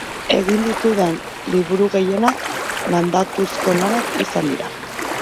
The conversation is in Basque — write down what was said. Egin ditudan liburu gehienak mandatuzko lanak izan dira.